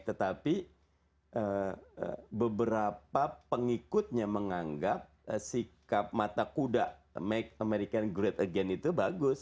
tetapi beberapa pengikutnya menganggap sikap mata kuda make american great again itu bagus